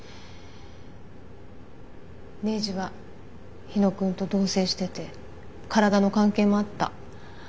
レイジは火野くんと同棲してて体の関係もあった。